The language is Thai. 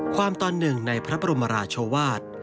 ตอนหนึ่งในพระบรมราชวาส